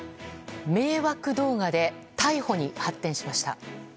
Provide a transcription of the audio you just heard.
迷惑動画で逮捕に発展しました。